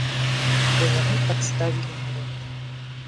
Бо яны падставілі народ.